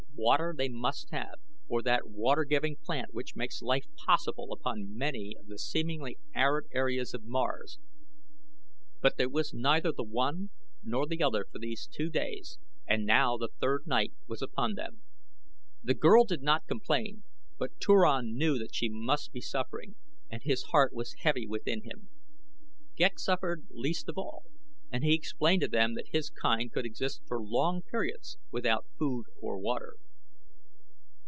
Water they must have, or that water giving plant which makes life possible upon many of the seemingly arid areas of Mars; but there was neither the one nor the other for these two days and now the third night was upon them. The girl did not complain, but Turan knew that she must be suffering and his heart was heavy within him. Ghek suffered least of all, and he explained to them that his kind could exist for long periods without food or water.